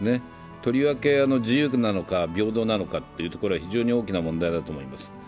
とりわけ自由なのか平等なのかというところは非常に大きな問題だと思います。